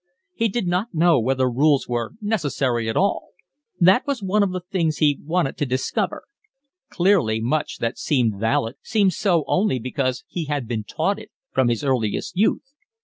He did not know whether rules were necessary at all. That was one of the things he wanted to discover. Clearly much that seemed valid seemed so only because he had been taught it from his earliest youth.